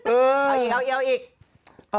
เออ